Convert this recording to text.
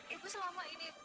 ibu selama ini